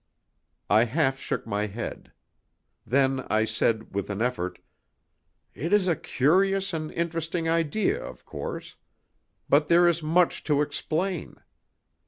I half shook my head. Then I said, with an effort: "It is a curious and interesting idea, of course. But there is much to explain.